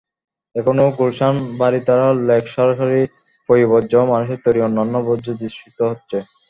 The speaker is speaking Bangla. এখনো গুলশান-বারিধারা লেক সরাসরি পয়োবর্জ্য এবং মানুষের তৈরি অন্যান্য বর্জ্যে দূষিত হচ্ছে।